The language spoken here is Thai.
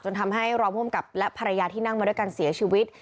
ทำให้รองภูมิกับและภรรยาที่นั่งมาด้วยกันเสียชีวิต